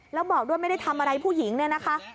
แล้วบอกด้วยไม่ได้ทำอะไรผู้หญิงเนี่ยนะคะ